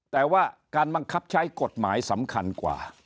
แต่ว่าการบังคับใช้กฎหมายสำคัญกว่า